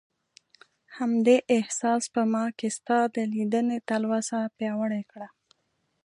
همدې احساس په ما کې ستا د لیدنې تلوسه پیاوړې کړه.